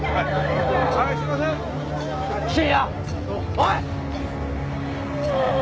おい！